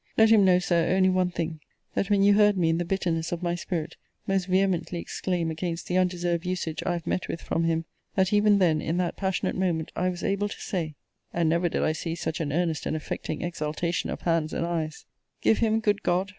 Let him know, Sir, only one thing, that when you heard me in the bitterness of my spirit, most vehemently exclaim against the undeserved usage I have met with from him, that even then, in that passionate moment, I was able to say [and never did I see such an earnest and affecting exultation of hands and eyes,] 'Give him, good God!